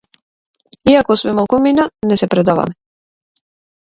Иако сме малкумина не се предаваме.